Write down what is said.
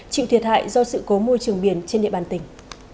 chịu thiệt hại do sự cố môi trường biển trên địa bàn tỉnh